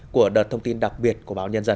của đợt thông tin đặc biệt của báo nhân dân